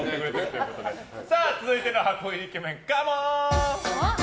続いての箱入りイケメンカモン！